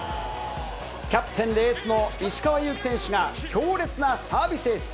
キャプテンでエースの石川祐希選手が、強烈なサービスエース。